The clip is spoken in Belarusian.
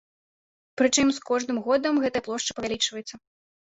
Прычым, з кожным годам гэтая плошча павялічваецца.